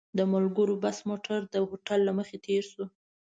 د ملګرو بس موټر د هوټل له مخې تېر شو.